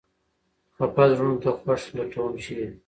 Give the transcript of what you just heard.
خپه زړونو ته خوښي لټوم ، چېرې ؟